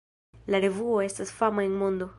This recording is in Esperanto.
La revuo estas fama en mondo.